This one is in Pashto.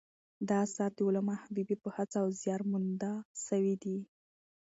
دا اثر د علامه حبیبي په هڅه او زیار مونده سوی دﺉ.